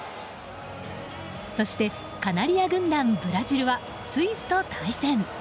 そして、カナリア軍団ブラジルはスイスと対戦。